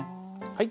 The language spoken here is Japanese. はい。